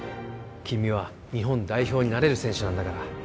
君は日本代表になれる選手なんだから